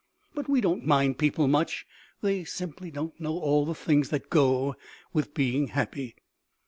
But we don't mind people much! They simply don't know all the things that go with being happy.